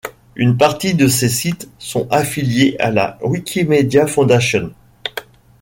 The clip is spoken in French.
Une partie de ces sites sont affiliés à la Wikimedia Fondation.